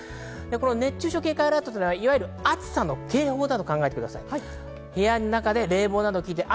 熱中症警戒アラートは暑さの警報だと考えてください。